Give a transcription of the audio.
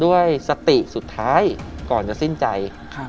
ด้วยสติสุดท้ายก่อนจะสิ้นใจ